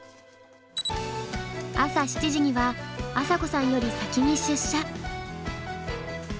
朝７時には朝紗子さんより先に出社。